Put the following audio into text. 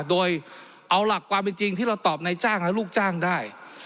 โดยเอาหลักความเป็นจริงที่เราตอบในจ้างและลูกจ้างได้